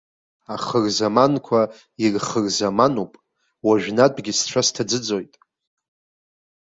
Ахырзаманқәа ирхырзамануп, уажәнатәгьы сцәа сҭаӡыӡоит.